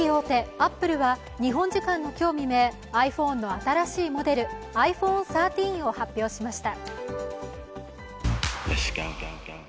アップルは日本時間の今日未明、ｉＰｈｏｎｅの新しいモデル、ｉＰｈｏｎｅ１３を発表しました。